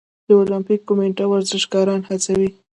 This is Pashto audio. د المپیک کمیټه ورزشکاران هڅوي؟